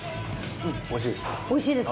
うんおいしいです。